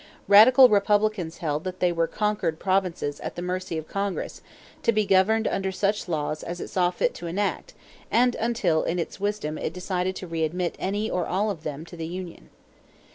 Radical Republicans held that they were "conquered provinces" at the mercy of Congress, to be governed under such laws as it saw fit to enact and until in its wisdom it decided to readmit any or all of them to the union.